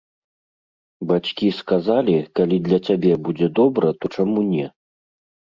Бацькі сказалі, калі для цябе будзе добра, то чаму не.